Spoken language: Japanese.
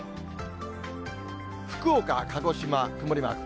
福岡、鹿児島、曇りマーク。